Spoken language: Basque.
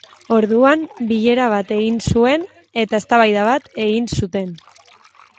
Orduan, bilera bat egin zuen eta eztabaida bat egin zuten.